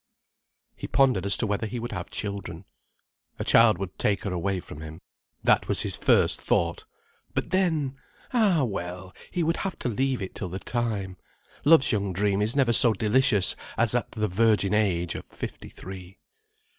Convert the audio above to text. He pondered as to whether he would have children. A child would take her away from him. That was his first thought. But then—! Ah well, he would have to leave it till the time. Love's young dream is never so delicious as at the virgin age of fifty three.